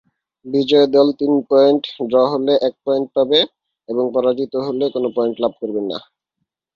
বিজয়ী দল তিন পয়েন্ট, ড্র হলে এক পয়েন্ট পাবে এবং পরাজিত হলে কোন পয়েন্ট লাভ করবে না।